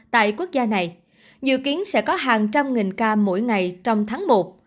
tại quốc gia này dự kiến sẽ có hàng trăm nghìn ca mỗi ngày trong tháng một